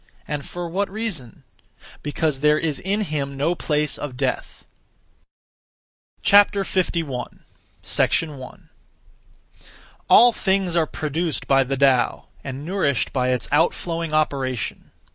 And for what reason? Because there is in him no place of death. 51. 1. All things are produced by the Tao, and nourished by its outflowing operation.